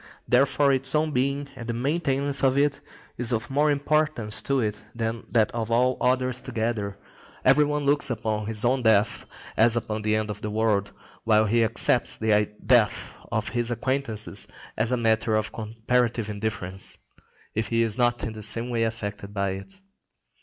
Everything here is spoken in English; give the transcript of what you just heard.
Therefore its own being, and the maintenance of it, is of more importance to it than that of all others together. Every one looks upon his own death as upon the end of the world, while he accepts the death of his acquaintances as a matter of comparative indifference, if he is not in some way affected by it.